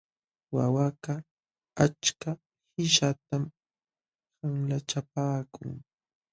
Wawakaq achka qishatam qanlachapaakun.